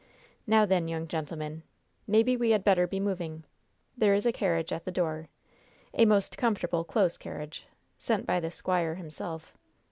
Now, then, young gentlemen, maybe we had better be moving. There is a carriage at the door a most comfortable close carriage sent by the squire himself.